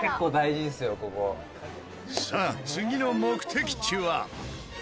さあ次の目的地は。